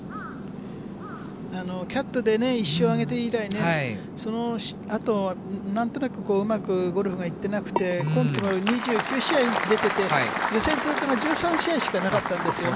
キャットで１勝挙げて以来、そのあと、なんとなくうまくゴルフがいってなくて、今季も２９試合出てて、予選通過が１３試合しかなかったんですよね。